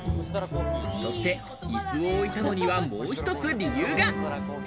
そして、いすを置いたのにはもう１つ理由が。